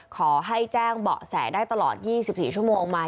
ขอให้แจ้งเบาะแสได้ตลอด๒๔ชั่วโมงออกมา